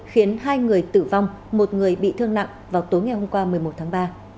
khiến hai người tử vong một người bị thương nặng vào tối ngày hôm qua một mươi một tháng ba